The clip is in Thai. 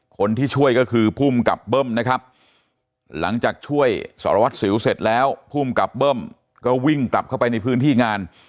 คนที่ช่วยก็คือภูมิกับเบิ้มนะครับหลังจากช่วยสารวัตรสิวเสร็จแล้วภูมิกับเบิ้มก็วิ่งกลับเข้าไปในพื้นที่งาน